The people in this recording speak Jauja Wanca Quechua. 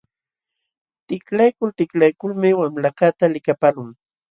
Tiklaykul tiklaykulmi wamlakaqta likapaqlun.